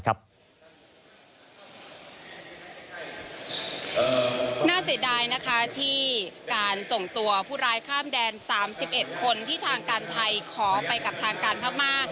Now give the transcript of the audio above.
น่าเสียดายนะคะที่การส่งตัวผู้ร้ายข้ามแดน๓๑คนที่ทางการไทยขอไปกับทางการพม่า